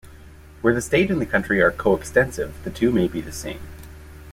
Where the state and the country are co-extensive, the two may be the same.